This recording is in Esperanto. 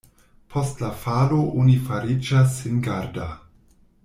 Post la falo oni fariĝas singarda.